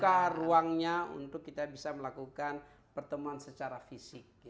membuka ruangnya untuk kita bisa melakukan pertemuan secara fisik